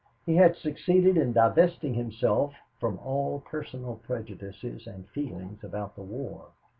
He had succeeded in divesting himself from all personal prejudices and feelings about the war.